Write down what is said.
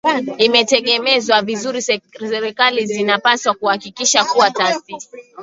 inategemezwa vizuri Serikali zinapaswa kuhakikisha kuwa taasisi